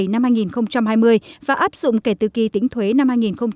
năm hai nghìn hai mươi và áp dụng kể từ kỳ tính thuế năm hai nghìn hai mươi